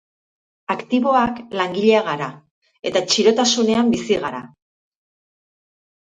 Aktiboak, langileak gara, eta txirotasunean bizi gara!